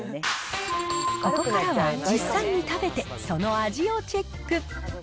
ここからは実際に食べて、その味をチェック。